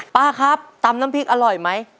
ป้าครับตำน้ำพริกอร่อยไหม